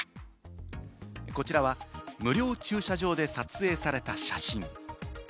こちらは無料駐車場で撮影された写真。